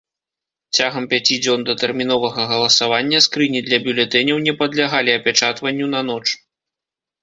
Цягам пяці дзён датэрміновага галасавання скрыні для бюлетэняў не падлягалі апячатванню на ноч.